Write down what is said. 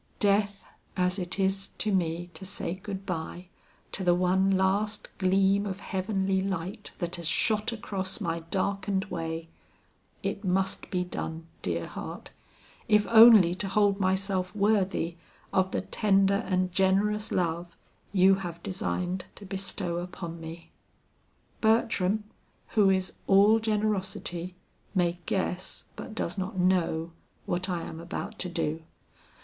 Death as it is to me to say good bye to the one last gleam of heavenly light that has shot across my darkened way, it must be done, dear heart, if only to hold myself worthy of the tender and generous love you have designed to bestow upon me. Bertram, who is all generosity, may guess but does not know, what I am about to do.